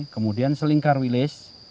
kemudian selingkar wilis